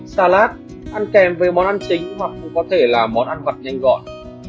salad ăn kèm với món ăn chính hoặc cũng có thể là món ăn vặt nhanh gọn